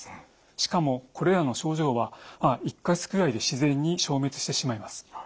しかもこれらの症状は１か月ぐらいで自然に消滅してしまいます。